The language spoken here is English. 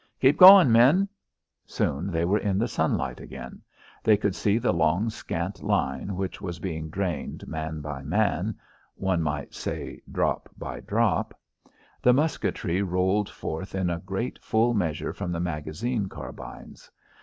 "Keep goin', men." Soon they were in the sunlight again. They could see the long scant line, which was being drained man by man one might say drop by drop. The musketry rolled forth in great full measure from the magazine carbines.